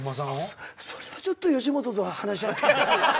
それはちょっと吉本と話し合って。